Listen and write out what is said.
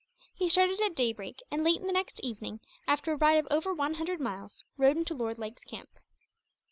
He started at daybreak and, late the next evening, after a ride of over one hundred miles, rode into Lord Lake's camp.